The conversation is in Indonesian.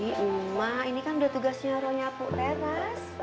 iya mak ini kan udah tugasnya lu nyapu lepas